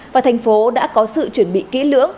và thành phố đã có sự chuẩn bị kỹ lưỡng